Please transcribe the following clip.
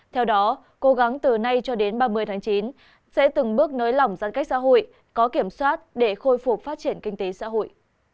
theo đó cố gắng từ nay cho đến ba mươi tháng chín sẽ từng bước nới lỏng giãn cách xã hội có kiểm soát để khôi phục phát triển kinh tế xã hội